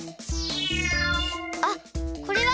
あっこれは？